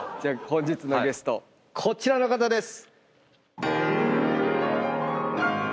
本日のゲストこちらの方です。